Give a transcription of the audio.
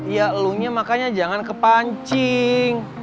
ya lunya makanya jangan kepancing